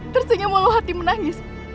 tersenyum walaupun hati menangis